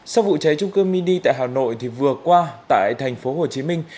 sau vụ cháy trung cơ mini tại hà nội thì vừa qua tại thành phố hồ chí minh